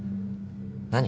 何？